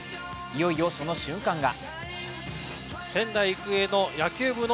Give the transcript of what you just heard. いよいよ、その瞬間が。